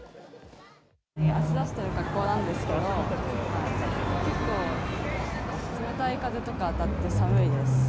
足出している格好なんですけれども、結構冷たい風とか当たって寒いです。